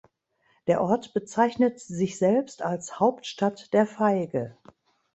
Der Ort bezeichnet sich selbst als "Hauptstadt der Feige".